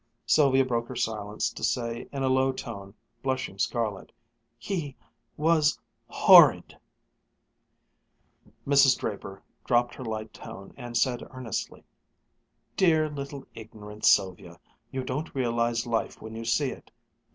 Sylvia broke her silence to say in a low tone, blushing scarlet, "He was horrid!" Mrs. Draper dropped her light tone and said earnestly: "Dear little ignorant Sylvia you don't recognize life when you see it.